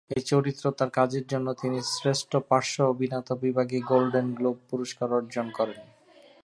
এই চরিত্রে তার কাজের জন্য তিনি শ্রেষ্ঠ পার্শ্ব অভিনেতা বিভাগে গোল্ডেন গ্লোব পুরস্কার অর্জন করেন।